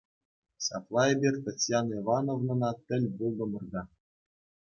Ҫапла эпир Татьяна Ивановнӑна тӗл пултӑмӑр та.